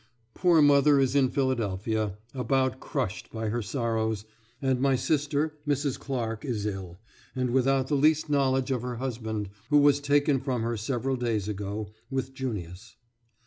Poor mother is in Philadelphia, about crushed by her sorrows, and my sister, Mrs. Clarke, is ill, and without the least knowledge of her husband, who was taken from her several days ago, with Junius.